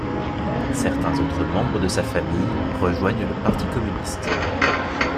Certains autres membres de sa famille rejoignent le Parti communiste.